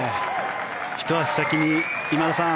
ひと足先に今田さん